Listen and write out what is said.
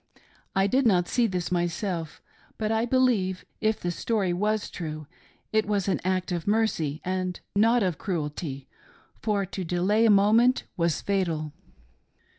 I did not see this myself, but I believe, if the story was true, it was an act of mercy and not of cruelty, for to delay a moment was fatal..